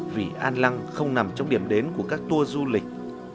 vì an lăng không nằm trong điểm đến của các tour du lịch